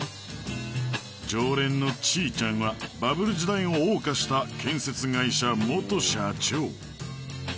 常連のちーちゃんはバブル時代を謳歌した建設会社元社長